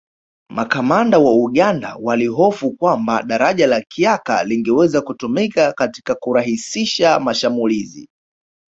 Makamanda wa Uganda walihofu kwamba Daraja la Kyaka lingeweza kutumika katika kurahisisha mashamulizi